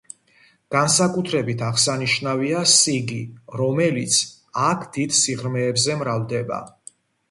განსაკუთრებით აღსანიშნავია სიგი, რომელიც აქ დიდ სიღრმეებზე მრავლდება.